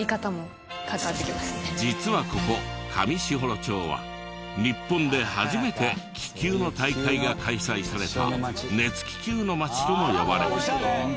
実はここ上士幌町は日本で初めて気球の大会が開催された「熱気球の町」とも呼ばれ。